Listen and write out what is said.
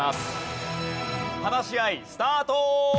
話し合いスタート！